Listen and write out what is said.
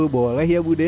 boleh ya bu de